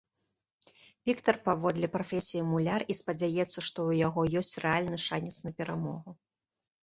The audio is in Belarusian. Віктар паводле прафесіі муляр і спадзяецца, што ў яго ёсць рэальны шанец на перамогу.